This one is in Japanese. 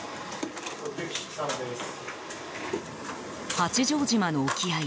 八丈島の沖合。